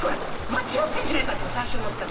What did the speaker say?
間違ってるんじゃないかって思った。